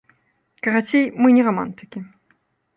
Карацей, мы не рамантыкі.